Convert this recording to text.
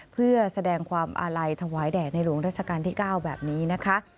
เพื่อแสดงความอาลัยถวายแด่ในหลวงราชการที่๙แบบนี้นะคะ